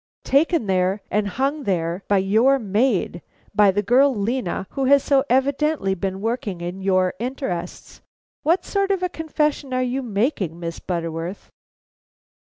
"Taken there, and hung there by your maid! By the girl Lena, who has so evidently been working in your interests! What sort of a confession are you making, Miss Butterworth?"